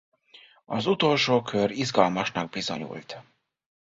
Az utolsó kör izgalmasnak bizonyult.